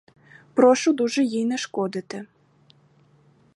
Прошу дуже їй не шкодити.